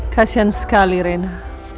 kasian sekali rena